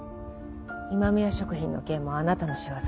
今宮食品の件もあなたの仕業？